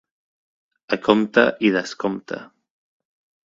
A compte i descompte.